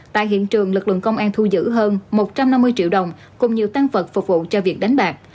tại hiện trường lực lượng công an thu giữ hơn một trăm năm mươi triệu đồng cùng nhiều tăng vật phục vụ cho việc đánh bạc